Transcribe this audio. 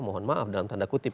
mohon maaf dalam tanda kutip